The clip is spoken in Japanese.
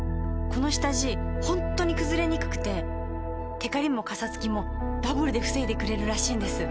この下地ホントにくずれにくくてテカリもカサつきもダブルで防いでくれるらしいんです。